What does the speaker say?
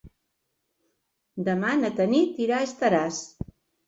Demà na Tanit irà a Estaràs.